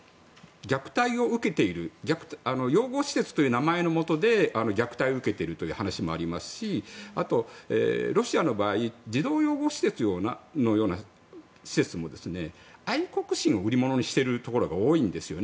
養護施設という名前のもとで虐待を受けているという話もありますしあと、ロシアの場合児童養護施設のような施設も愛国心を売り物にしているところが多いんですね。